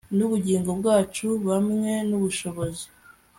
nubugingo bwacu hamwe nubushobozi